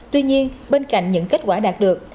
tuy nhiên bên cạnh những kết quả đạt được